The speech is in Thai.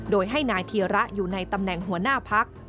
โดยให้นายธีระอยู่ในตำแหน่งหัวหน้าพัก